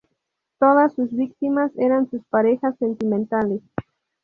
Todas sus víctimas eran sus parejas sentimentales.